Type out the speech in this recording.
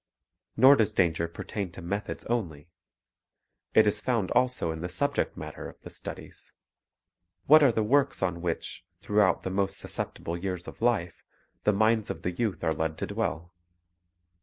Nor does danger pertain to methods only. It is found also in the subject matter of the studies. What are the works on which, throughout the most susceptible years of life, the minds of the youth are led to dwell?